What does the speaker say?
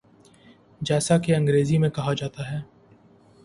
جیسا کہ انگریزی میں کہا جاتا ہے۔